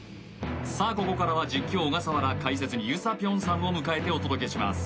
さあここからは実況・小笠原解説にゆさぴょんさんを迎えてお届けします